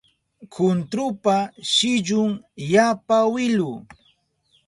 Kuntrupa shillun yapa wilu